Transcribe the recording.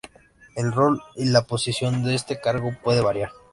El rol y la posición de este cargo puede variar.